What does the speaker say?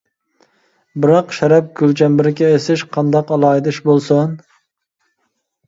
بىراق شەرەپ گۈل چەمبىرىكى ئېسىش قانداق ئالاھىدە ئىش بولسۇن!